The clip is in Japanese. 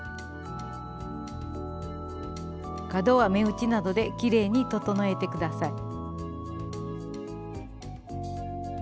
角は目打ちなどできれいに整えて下さい。